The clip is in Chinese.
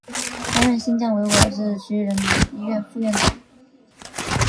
担任新疆维吾尔自治区人民医院副院长。